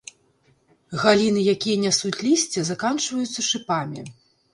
Галіны, якія нясуць лісце, заканчваюцца шыпамі.